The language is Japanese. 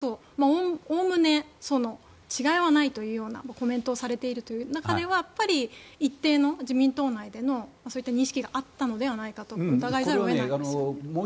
ＬＧＢＴの慎重な扱いや憲法改正については自民党が掲げている政策とおおむね違いはないというようなコメントをされているという中ではやっぱり一定の自民党内でのそういった認識があったのではないかと疑わざるを得ないですよね。